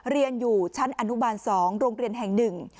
เรียนอยู่ชั้นอนุบาล๒โรงเรียนแห่งหนึ่ง